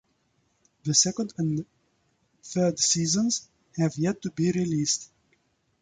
The second and third seasons have yet to be released.